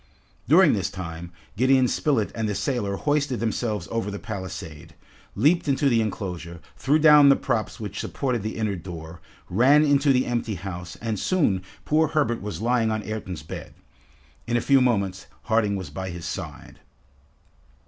During this time, Gideon Spilett and the sailor hoisted themselves over the palisade, leaped into the enclosure, threw down the props which supported the inner door, ran into the empty house, and soon, poor Herbert was lying on Ayrton's bed. In a few moments, Harding was by his side.